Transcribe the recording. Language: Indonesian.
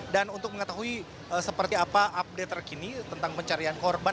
untuk mengetahui seperti apa update terkini tentang pencarian korban